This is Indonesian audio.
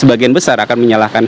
sebagian besar akan menyalahkan